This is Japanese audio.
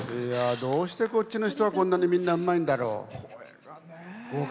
どうしてここの人はこんなにうまいんだろう。